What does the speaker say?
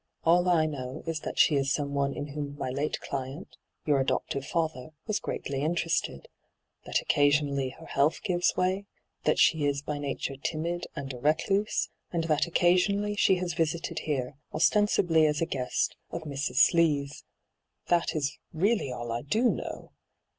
' All I know is that she is someone in whom my late client, your adoptive fether, was greatly interested ; that occasionally her health gives way ; that she is by nature timid and a recluse ; and that occasionally she has visited here, ostensibly as a guest of Mrs. Slee's. That is really aU I do know.'